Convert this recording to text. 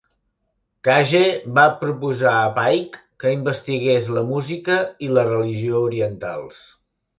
Cage va proposar a Paik que investigués la música i la religió orientals.